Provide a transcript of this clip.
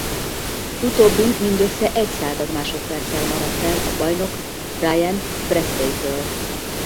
Utóbbin mindössze egy század másodperccel maradt el a bajnok Ryan Brathwaite-tól.